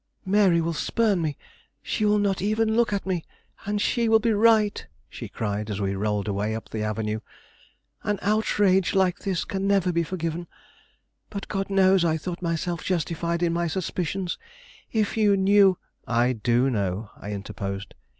"Mary will spurn me; she will not even look at me; and she will be right!" she cried, as we rolled away up the avenue. "An outrage like this can never be forgiven. But God knows I thought myself justified in my suspicions. If you knew " "I do know," I interposed.